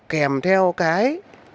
kèm theo cái